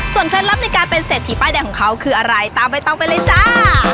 เคล็ดลับในการเป็นเศรษฐีป้ายแดงของเขาคืออะไรตามใบตองไปเลยจ้า